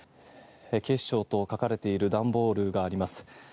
警視庁と書かれている段ボールがあります。